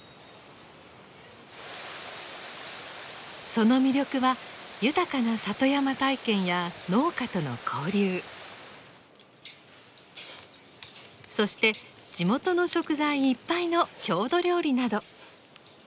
その魅力は豊かな里山体験や農家との交流そして地元の食材いっぱいの郷土料理など。